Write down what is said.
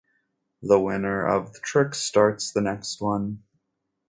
The winner of the trick starts the next one.